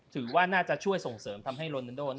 ถือว่าน่าจะช่วยส่งเสริมทำให้โรนันโด